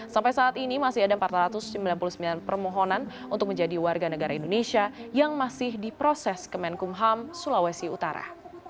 sampai saat ini masih ada empat ratus sembilan puluh sembilan permohonan untuk menjadi warga negara indonesia yang masih diproses kemenkumham sulawesi utara